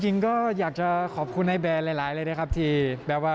จริงก็อยากจะขอบคุณไอ้แบร์นะหลายเลยด้วยครับแบบว่า